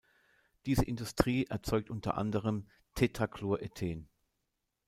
Diese Industrie erzeugt unter anderem: Tetrachlorethen.